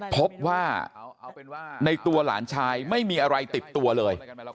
พบว่าในตัวหลานชายไม่มีอะไรติดตัวเลย